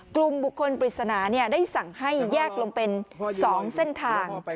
กลุ่มบุคคลปริศนาได้สั่งให้แยกลงเป็น๒เส้นทาง